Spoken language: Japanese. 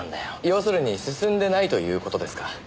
要するに進んでないという事ですか。